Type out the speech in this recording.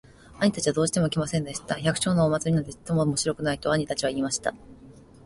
兄たちはどうしても来ませんでした。「百姓のお祭なんてちっとも面白くない。」と兄たちは言いました。